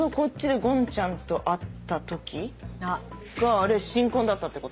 あれ新婚だったってこと？